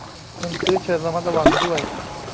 คนซื้อเชิญระมัดระวังด้วย